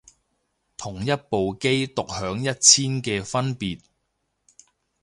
同一部機獨享一千嘅分別